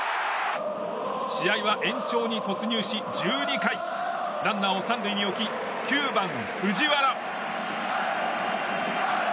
試合は延長に突入し１２回ランナーを３塁に置き９番、藤原。